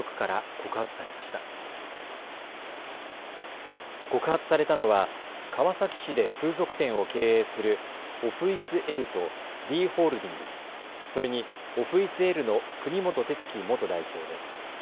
告発されたのは川崎市で風俗店を経営するオフイスＬとＤホールディングス、それにオフイスＬの国本哲樹元代表です。